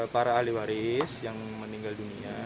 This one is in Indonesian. para ahli waris yang meninggal dunia